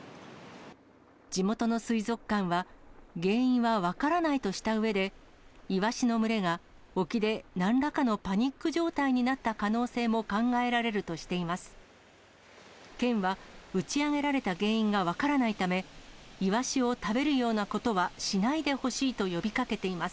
地元の水族館は、原因は分からないとしたうえで、イワシの群れが沖でなんらかのパニック状態になった可能性も考えられるとしています。